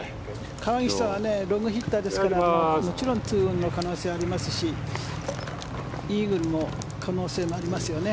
川岸さんはロングヒッターですからもちろん２オンの可能性がありますしイーグルの可能性もありますよね。